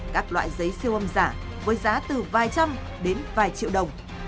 các loại giấy siêu âm giả với giá từ vài trăm đến vài triệu đồng